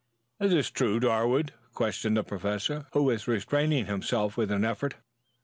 "Is this true, Darwood?" questioned the Professor, who was restraining himself with an effort.